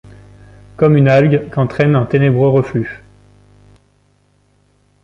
Comme une algue qu’entraîne un ténébreux reflux